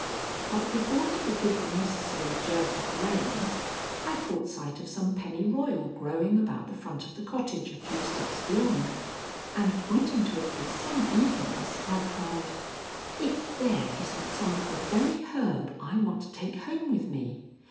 But before he could give the necessary jerk of the reins, I caught sight of some pennyroyal growing about the front of the cottage a few steps beyond, and, pointing to it with some eagerness, I cried: "If there isn't some of the very herb I want to take home with me!